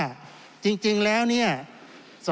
ขอชิกแจงครับกิจศักดิ์ครับเสียหายครับ